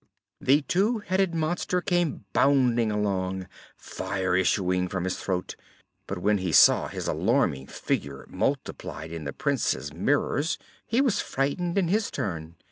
The two headed monster came bounding along, fire issuing from his throat; but when he saw his alarming figure multiplied in the Prince's mirrors he was frightened in his turn.